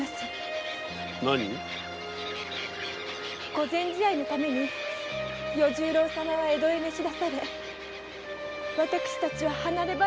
御前試合のために与十郎様は江戸へ呼び出され私たちは離れ離れに。